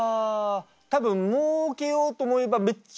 多分もうけようと思えばめっちゃもうかる。